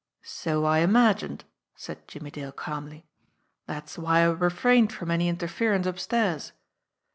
"So I imagined," said Jimmie Dale calmly. "That's why I refrained from any interference upstairs.